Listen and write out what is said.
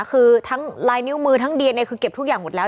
คือทั้งลายนิ้วมือทั้งเดียเนี่ยคือเก็บทุกอย่างหมดแล้ว